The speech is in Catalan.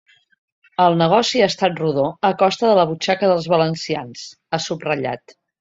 El negoci ha estat rodó a costa de la butxaca dels valencians, ha subratllat.